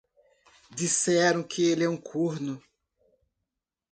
Disseram que ele é um corno.